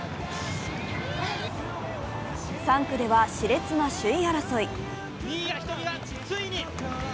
３区ではしれつな首位争い。